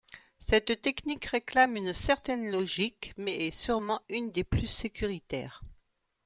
Cette technique réclame une certaine logistique, mais est sûrement une des plus sécuritaires.